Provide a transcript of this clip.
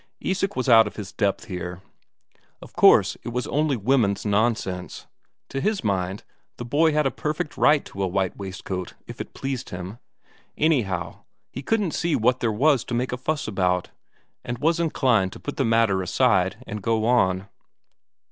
Isak was out of his depth here; of course it was only women's nonsense; to his mind, the boy had a perfect right to a white waistcoat, if it pleased him; anyhow, he couldn't see what there was to make a fuss about, and was inclined to put the matter aside and go on.